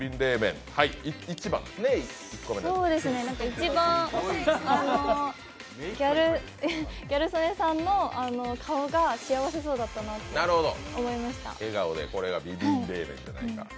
一番、ギャル曽根さんの顔が幸せそうだったなと思いました。